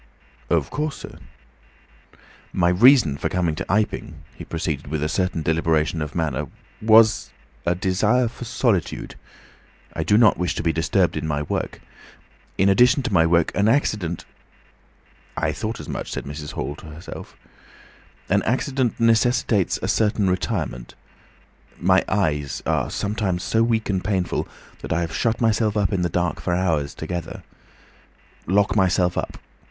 "Of course, sir." "My reason for coming to Iping," he proceeded, with a certain deliberation of manner, "was ... a desire for solitude. I do not wish to be disturbed in my work. In addition to my work, an accident—" "I thought as much," said Mrs. Hall to herself. "—necessitates a certain retirement. My eyes—are sometimes so weak and painful that I have to shut myself up in the dark for hours together. Lock myself up.